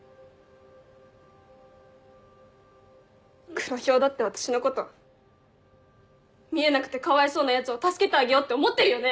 黒ヒョウだって私のこと見えなくてかわいそうなヤツを助けてあげようって思ってるよね